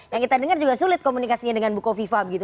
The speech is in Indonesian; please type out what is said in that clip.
yang kita dengar juga sulit komunikasinya dengan buko viva begitu